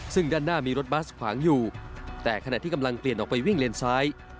ซึ่งด้านหน้ามีรถบัสขวางอยู่แต่ขณะที่กำลังเปลี่ยนออกไปวิ่งเลนซ้าย